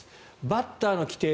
バッターの規定